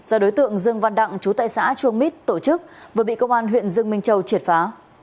do đối tượng dương văn đặng chú tại xã chuông mít tổ chức vừa bị công an huyện dương minh châu triệt phá